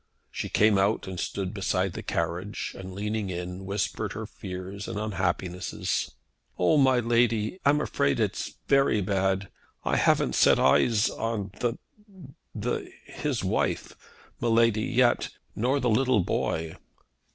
She came out and stood beside the carriage, and leaning in, whispered her fears and unhappinesses. "Oh! my lady, I'm afraid it's very bad. I haven't set eyes on the the his wife, my lady, yet; nor the little boy."